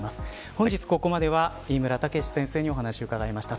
本日ここまでは飯村剛史先生にお話を伺いました。